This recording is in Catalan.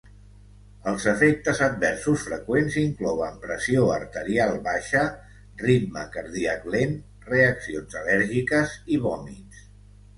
Els efectes adversos freqüents inclouen pressió arterial baixa, ritme cardíac lent, reaccions al·lèrgiques i vòmits.